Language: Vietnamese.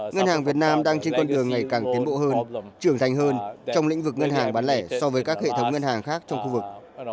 ngân hàng việt nam đang trên con đường ngày càng tiến bộ hơn trưởng thành hơn trong lĩnh vực ngân hàng bán lẻ so với các hệ thống ngân hàng khác trong khu vực